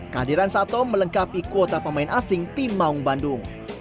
kehadiran sato melengkapi kuota pemain asing tim maung bandung